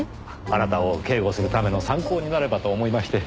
あなたを警護するための参考になればと思いまして。